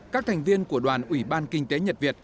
các thành viên của đoàn ủy ban kinh tế nhật việt